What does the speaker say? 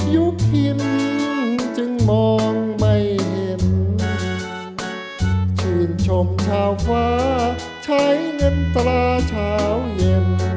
ยุคินจึงมองไม่เห็นชื่นชมชาวฟ้าใช้เงินตราเช้าเย็น